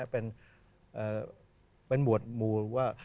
เป็นหวดหมู่ว่า